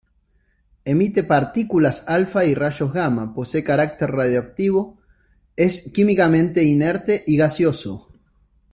Emite partículas alfa y rayos gamma, posee carácter radiactivo, es químicamente inerte y gaseoso.